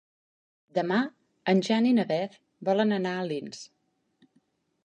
Demà en Jan i na Beth volen anar a Alins.